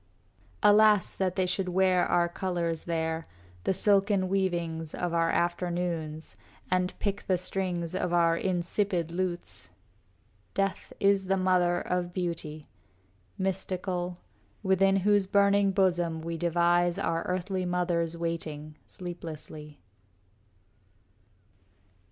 Alas, that they should wear our colors there, The silken weavings of our afternoons, And pick the strings of our insipid lutes! Death is the mother of beauty, mystical, Within whose burning bosom we devise Our earthly mothers waiting, sleeplessly.